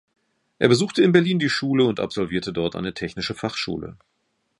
Er besuchte in Berlin die Schule und absolvierte dort eine technische Fachschule.